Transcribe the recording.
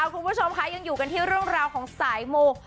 คุณผู้ชมค่ะยังอยู่กันที่เรื่องราวของสายมู